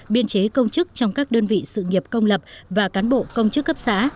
biên chế công chức trong các đơn vị sự nghiệp công lập và cán bộ công chức cấp xã